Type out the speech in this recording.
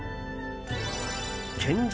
献上